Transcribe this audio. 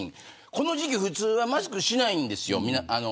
この時期普通はマスクしてないんです。